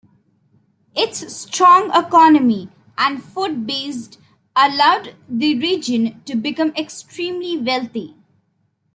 Its strong economy and food-base allowed the region to become extremely wealthy.